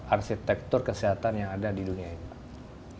arsitektur kesehatan yang ada di dunia ini pak